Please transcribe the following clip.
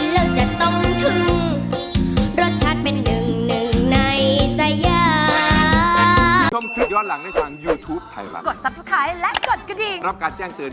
ร้องได้ให้ร้าง